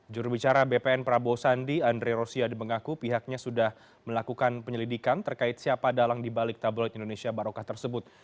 jurubicara bpn prabowo sandi andre rosiade mengaku pihaknya sudah melakukan penyelidikan terkait siapa dalang dibalik tabloid indonesia barokah tersebut